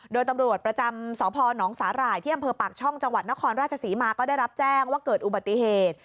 โดยตำรวจประจำสพนสาหร่ายที่อำเภอปากช่องจังหวัดนครราชศรีมาก็ได้รับแจ้งว่าเกิดอุบัติเหตุ